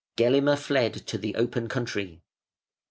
Gelimer fled to the open country.